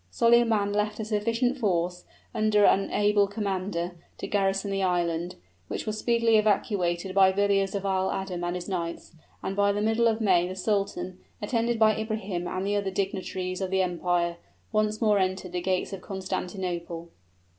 Solyman left a sufficient force, under an able commander, to garrison the island, which was speedily evacuated by Villiers of Isle Adam and his knights; and by the middle of May the sultan, attended by Ibrahim and the other dignitaries of the empire, once more entered the gates of Constantinople.